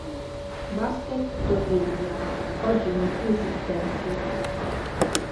Basket Torreglia, oggi non più esistente.